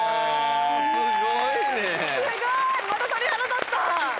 すごいねすごいまた鳥肌立った！